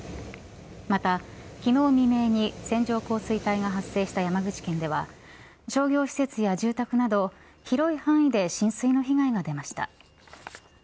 また、昨日未明に線状降水帯が発生した山口県では商業施設や住宅など広い範囲で浸水の被害が出ました。